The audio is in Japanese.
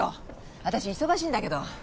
私忙しいんだけど。